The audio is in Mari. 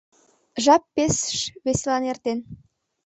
Жап пеш веселан эртен.